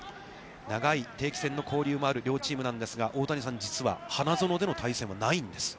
長い定期戦の交流もある両チームなんですが、大谷さん、実は花園での対戦はないんです。